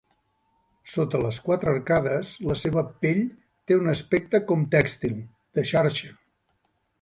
Sota les quatre arcades, la seva pell té un aspecte com tèxtil, de xarxa.